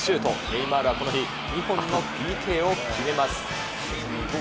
ネイマールはこの日、２本のＰＫを決めます。